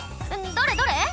どれどれ？